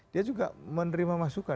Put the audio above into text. dia juga menerima masukan